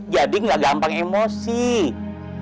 jadi ga gampang emosi ya pak haji